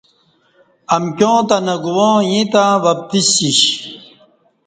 امکیاں تہ نہ گواں ییں تں وَ پتسیش